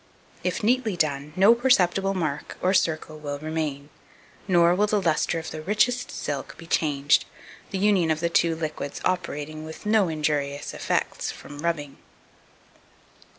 If neatly done, no perceptible mark or circle will remain; nor will the lustre of the richest silk be changed, the union of the two liquids operating with no injurious effects from rubbing.